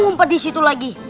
kenapa di situ lagi